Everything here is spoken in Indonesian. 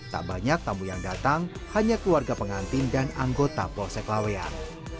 tak banyak tamu yang datang hanya keluarga pengantin dan anggota polsek laweyan